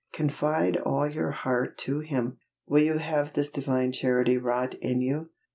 Confide all your heart to Him. Will you have this Divine Charity wrought in you?